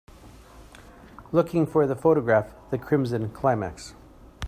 Looking for the photograph the Crimson Climax